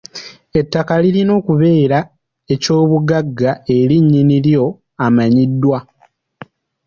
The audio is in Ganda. Ettaka lilina okubeera ekyobugagga eri nnyini lyo amanyiddwa.